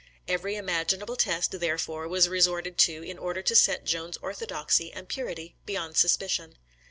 Every imaginable test, therefore, was resorted to in order to set Joan's orthodoxy and purity beyond suspicion.